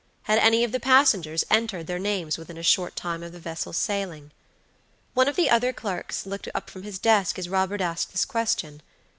Had any of the passengers entered their names within a short time of the vessel's sailing? One of the other clerks looked up from his desk as Robert asked this question.